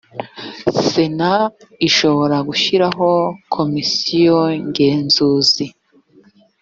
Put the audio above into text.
sena ishobora gushyiraho komisiyo ngenzuzi.